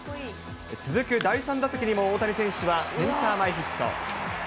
続く第３打席にも、大谷選手はセンター前ヒット。